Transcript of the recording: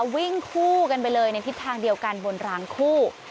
วิ่งคู่กันไปเลยในทิศทางเดียวกันบนรางคู่